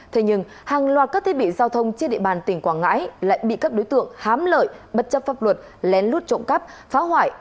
thế nhưng hàng loạt các thiết bị giao thông trên địa bàn tỉnh quảng ngãi lại bị các đối tượng hám lợi bất chấp pháp luật lén lút trộm cắp phá hoại